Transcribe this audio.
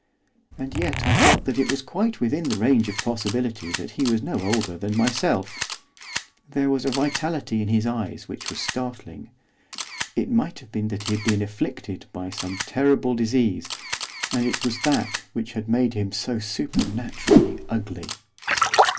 And yet I felt that it was quite within the range of possibility that he was no older than myself, there was a vitality in his eyes which was startling. It might have been that he had been afflicted by some terrible disease, and it was that which had made him so supernaturally ugly.